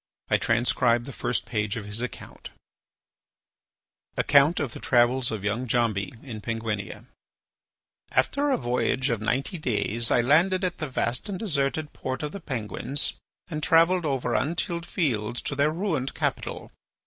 I transcribe the first page of his account: ACCOUNT OF THE TRAVELS OF YOUNG DJAMBI IN PENGUINIA After a voyage of ninety days I landed at the vast and deserted port of the Penguins and travelled over untilled fields to their ruined capital.